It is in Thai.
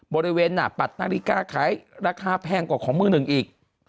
บริเวณปัดนาฬิกาขายราคาแพงกว่าของมือหนึ่งอีก